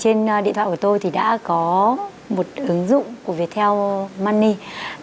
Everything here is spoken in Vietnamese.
trên điện thoại của tôi thì đã có một ứng dụng của viettel money